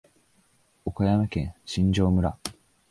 岡山県新庄村